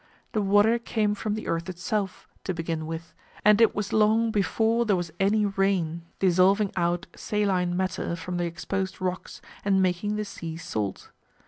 The water came from the earth itself, to begin with, and it was long before there was any rain dissolving out saline matter from the exposed rocks and making the sea salt.